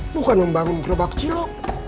bukan membangun kerobak kecil lho